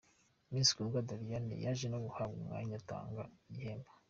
Miss Kundwa Doriane, yaje no guhabwa umwanya atanga igihembo.